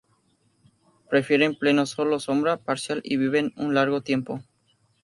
Prefieren pleno sol o sombra parcial, y viven un largo tiempo.